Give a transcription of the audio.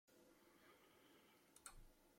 Es ist das höchstgelegene Dorf Latiums.